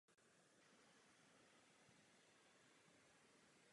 V sochařství začaly vznikat realistické dřevěné plastiky.